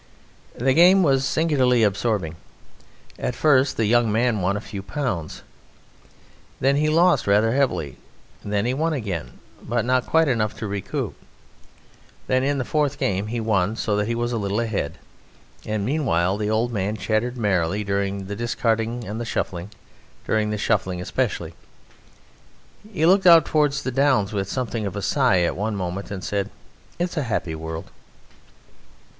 The game was singularly absorbing. At first the young man won a few pounds; then he lost rather heavily, then he won again, but not quite enough to recoup. Then in the fourth game he won, so that he was a little ahead, and meanwhile the old man chatted merrily during the discarding or the shuffling: during the shuffling especially. He looked out towards the downs with something of a sigh at one moment, and said: "It's a happy world."